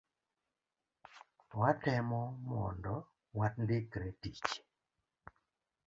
watemo mondo wandikre tich.